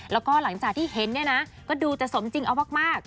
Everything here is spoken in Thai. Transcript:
แล้วก็หลังจากที่เห็นเนี่ยนะก็ดูจะสมจริงเอามาก